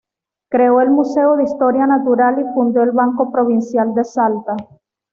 Creó el Museo de Historia Natural y fundó el Banco Provincial de Salta.